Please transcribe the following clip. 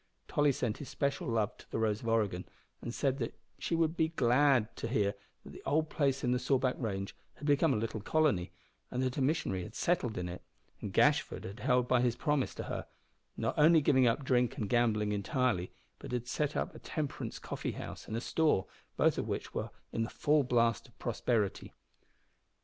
Tolly sent his special love to the Rose of Oregon, and said that she would be glad to hear that the old place in the Sawback range had become a little colony, and that a missionary had settled in it, and Gashford had held by his promise to her not only giving up drink and gambling entirely, but had set up a temperance coffee house and a store, both of which were in the full blast of prosperity.